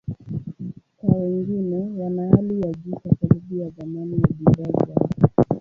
Kwa wengine, wana hali ya juu kwa sababu ya thamani ya bidhaa zao.